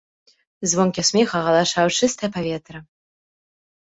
Звонкі смех агалашаў чыстае паветра.